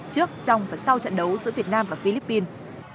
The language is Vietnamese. trước trong và sau trận đấu giữa việt nam và philippines